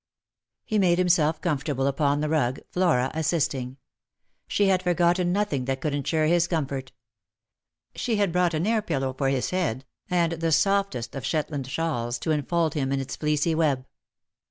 He made himself comfortable upon the rug, Flora assisting. She had forgotten nothing that could insure his comfort. She had brought an air pillow for his head, and the softest of Shet land shawls to enfold him in its fleecy web.